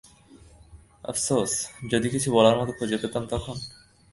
আফসোস, যদি কিছু বলার মত খুঁজে পেতাম তখন।